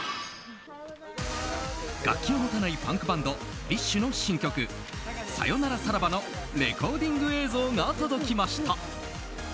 楽器を持たないパンクバンドＢｉＳＨの新曲「サヨナラサラバ」のレコーディング映像が届きました。